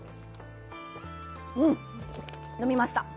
うん、飲みました。